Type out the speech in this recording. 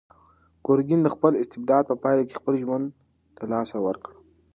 ګورګین د خپل استبداد په پایله کې خپل ژوند له لاسه ورکړ.